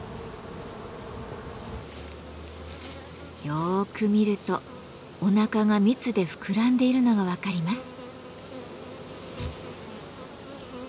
よく見るとおなかが蜜で膨らんでいるのが分かります。